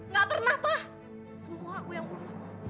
gak pernah pak semua aku yang kurus